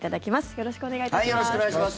よろしくお願いします。